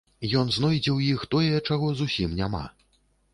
Ён знойдзе ў іх тое, чаго зусім няма.